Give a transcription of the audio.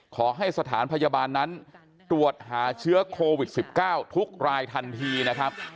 ขอให้สถานพยาบาลนั้นตรวจหาเชื้อโควิด๑๙ทุกรายทันทีนะครับ